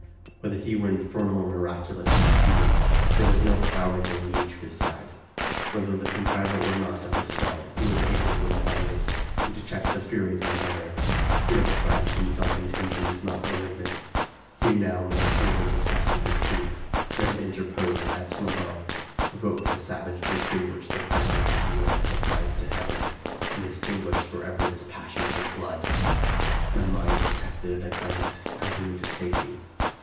Whether he were infernal or miraculous or human, there was no power and no need to decide. Whether the contriver or not of this spell, he was able to unbind it, and to check the fury of my brother. He had ascribed to himself intentions not malignant. Here now was afforded a test of his truth. Let him interpose, as from above ; revoke the savage decree which the mad ness of Wieland has assigned to heaven, and extinguish forever this passion for blood ! My mind detected at a glance this avenue to safety.